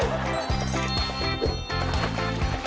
มาแล้ว